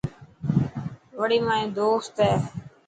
وڙي مايو دوست هي.